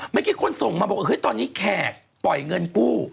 เมื่อกี้คนส่งมาบอกเฮ้ยตอนนี้แขกปล่อยเงินกู้